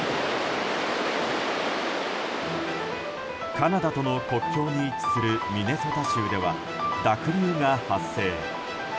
カナダとの国境に位置するミネソタ州では、濁流が発生。